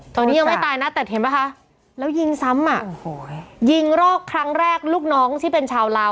ตอนนี้ยังไม่ตายนะแต่เห็นป่ะคะแล้วยิงซ้ำอ่ะโอ้โหยิงรอกครั้งแรกลูกน้องที่เป็นชาวลาว